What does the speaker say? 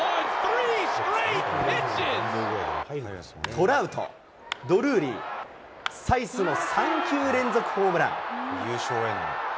トラウト、ドルーリー、サイスの３球連続ホームラン。